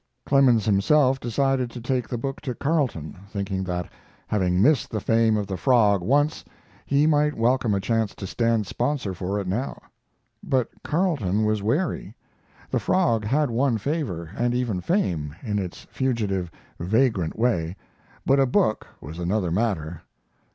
Clemens himself decided to take the book to Carleton, thinking that, having missed the fame of the "Frog" once, he might welcome a chance to stand sponsor for it now. But Carleton was wary; the "Frog" had won favor, and even fame, in its fugitive, vagrant way, but a book was another matter.